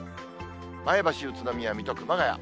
前橋、宇都宮、水戸、熊谷。